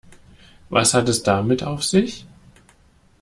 Was hat es damit auf sich?